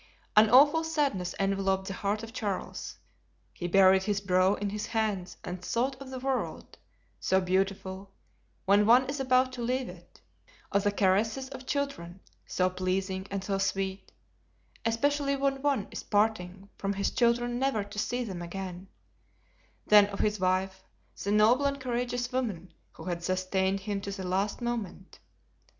An awful sadness enveloped the heart of Charles. He buried his brow in his hands and thought of the world, so beautiful when one is about to leave it; of the caresses of children, so pleasing and so sweet, especially when one is parting from his children never to see them again; then of his wife, the noble and courageous woman who had sustained him to the last moment.